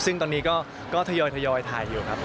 ซึ่งตอนนี้ก็ทยอยถ่ายอยู่ครับ